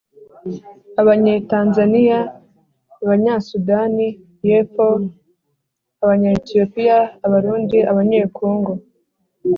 Abanyetanzania Abanyasudani y Epfo abanya Ethiopia Abarundi Abanyekongo